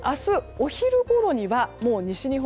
お昼ごろには西日本